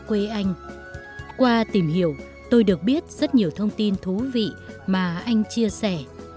qua tìm hiểu tôi được biết rất nhiều thông tin thú vị mà anh chia sẻ